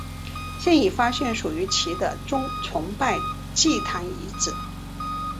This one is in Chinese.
现已发现属于其的崇拜祭坛遗址。